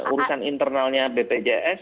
urusan internalnya bpjs